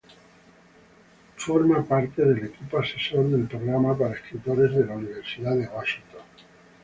Forma parte del equipo asesor del programa para escritores de la Universidad de Washington.